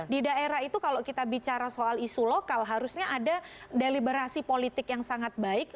di daerah itu kalau kita bicara soal isu lokal harusnya ada deliberasi politik yang sangat baik